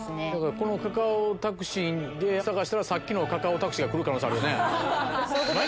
このカカオタクシーで探したらさっきのカカオタクシーが来る可能性あるよね